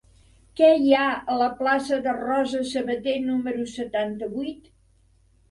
Què hi ha a la plaça de Rosa Sabater número setanta-vuit?